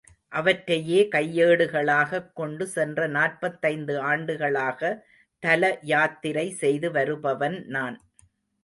அவற்றையே கையேடுகளாகக் கொண்டு சென்ற நாற்பத்தைந்து ஆண்டுகளாக தல யாத்திரை செய்து வருபவன் நான்.